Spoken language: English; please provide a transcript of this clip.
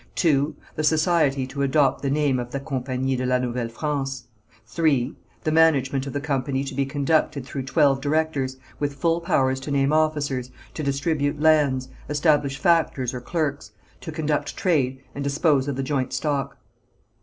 (2.) The society to adopt the name of the Campagnie de la Nouvelle France. (3.) The management of the company to be conducted through twelve directors, with full powers to name officers, to distribute lands, establish factors or clerks, to conduct trade and dispose of the joint stock.